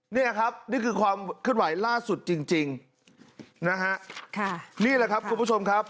นี่ครับนี่คือความเคลื่อนไหวล่าสุดจริงนะฮะค่ะนี่แหละครับคุณผู้ชมครับ